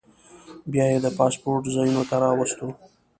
بیا یې د پاسپورټ ځایونو ته راوستو.